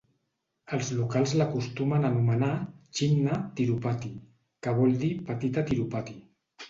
Els locals l'acostumen a anomenar "Chinna Tirupati", que vol dir petita Tirupati.